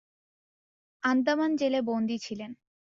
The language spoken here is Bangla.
আন্দামান জেলে বন্দী ছিলেন।